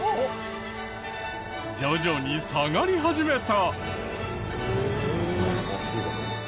徐々に下がり始めた。